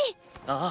ああ。